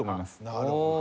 なるほど。